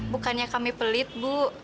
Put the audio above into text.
bukannya kami pelit bu